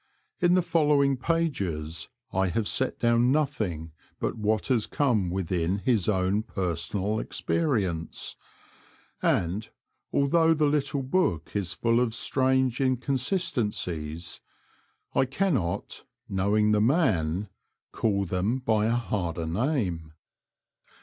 In the following pages I have ^''*'—^ set down nothing but what has come within his own personal experience ; and, although the little book is full of strange inconsistencies, I cannot, knowing the man, call them by a harder name.